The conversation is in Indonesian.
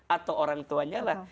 atau orang tuanya lah